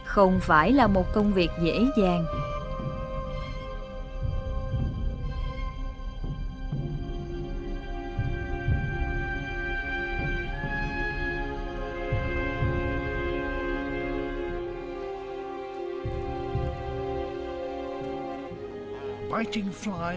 không phải là một công việc dễ dàng